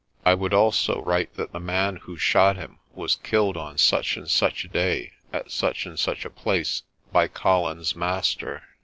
I would also write that the man who shot him was killed on such and such a day at such and such a place by Colin's master.